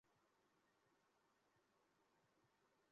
খুব বেশি না।